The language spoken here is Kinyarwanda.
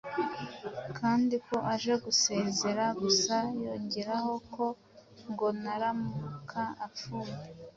kandi ko aje gusezera. Gusa yongeraho ko ngo naramuka apfuye